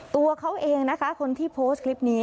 ตัวเขาเองนะคะคนที่โพสต์คลิปนี้